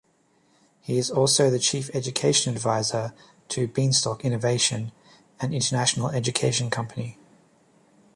He is also the Chief Education Advisor to Beanstalk Innovation, an international education company.